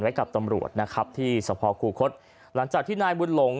กับตำรวจนะครับที่สภคูคศหลังจากที่นายบุญหลง